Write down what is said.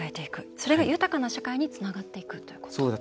それが豊かな社会につながっていくということ。